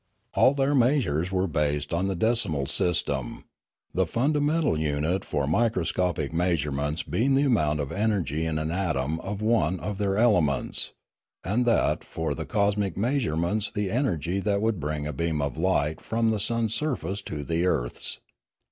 All their measures were based on the decimal system, the fundamental unit for microscopic measurements being the amount of energy in an atom of one of their elements, and that for cosmic measurements the energy that would bring a beam of light from the sun's surface to the earth's.